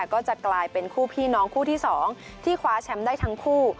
ก็จะกลายเป็นคู่พี่น้องคู่ที่๒ที่คว้าแชมป์ได้ทั้งคู่